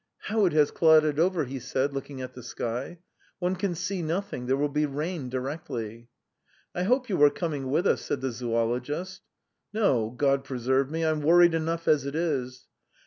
How it has clouded over," he said, looking at the sky. "One can see nothing; there will be rain directly." "I hope you are coming with us?" said the zoologist. "No, God preserve me; I'm worried enough as it is.